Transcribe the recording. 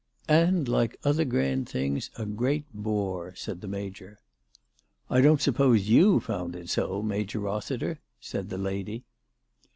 "And, like other grand things, a great bore," said the Major. "I don't suppose you found it so, Major Rossiter," said the lady.